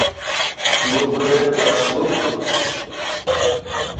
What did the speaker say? Buddhadeb Dasgupta